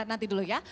nanti dulu ya